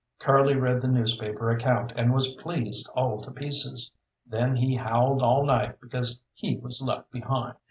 Curly read the newspaper account, and was pleased all to pieces. Then he howled all night because he was left behind.